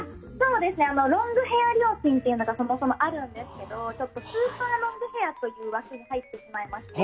ロングヘア料金がそもそもあるんですけどスーパーロングヘアという枠に入ってしまいまして。